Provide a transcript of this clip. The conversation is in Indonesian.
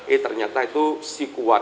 eh ternyata itu sikuat